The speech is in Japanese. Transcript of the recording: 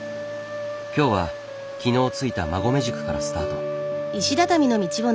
今日は昨日着いた馬籠宿からスタート。